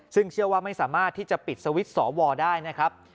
ซึ่งเชื่อว่าไม่สามารถที่จะปิดสวิตช์สวได้นะครับ